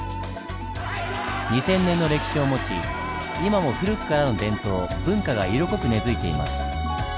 二千年の歴史を持ち今も古くからの伝統文化が色濃く根づいています。